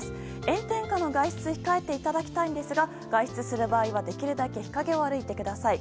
炎天下の外出は控えていただきたいんですが外出する場合はできるだけ日陰を歩いてください。